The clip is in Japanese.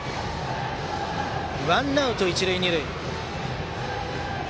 ワンアウト、一塁二塁。